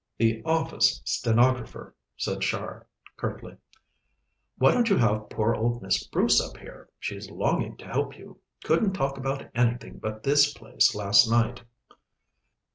"The office stenographer," said Char curtly. "Why don't you have poor old Miss Bruce up here? She's longing to help you couldn't talk about anything but this place last night."